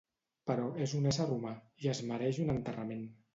Però és un ésser humà i es mereix un enterrament.